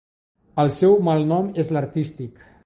El seu malnom és l'artístic.